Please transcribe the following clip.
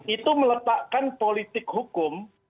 itu melepakkan politik hukum